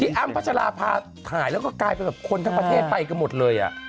ที่อ้ำพระธราภาคกลายเป็นครั้งประเทศไปกันหมดเลย